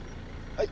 はい。